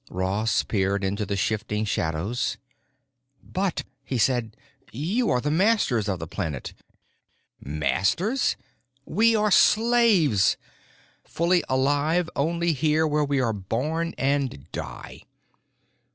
Ross peered into the shifting shadows. "But," he said, "you are the masters of the planet——" "Masters? We are slaves! Fully alive only here where we are born and die.